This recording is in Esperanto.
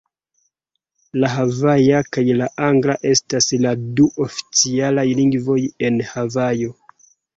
La havaja kaj la angla estas la du oficialaj lingvoj en Havajo.